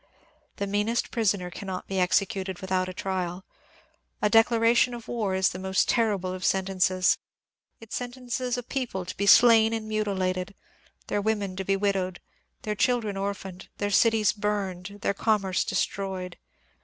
The meanest prisoner cannot be executed without a trial. A declaration of war is the most terrible of sentences : it sentences a people to be slain and mutilated, their women to be widowed, their chil dren orphaned, their cities burned, their commerce destroyed.